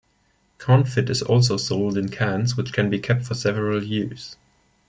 Confit is also sold in cans, which can be kept for several years.